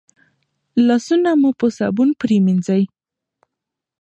لاسونه مو په صابون پریمنځئ.